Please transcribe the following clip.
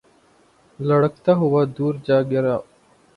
لڑھکتا ہوا دور جا گرا